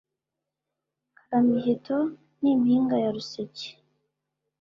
karamiheto n’impinga ya ruseke,